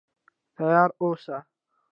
تیار اوسه.